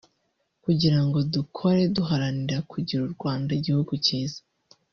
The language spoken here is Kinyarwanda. kugira ngo dukore duharanira kugira u Rwanda igihugu cyiza ”